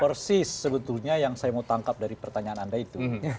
persis sebetulnya yang saya mau tangkap dari pertanyaan anda itu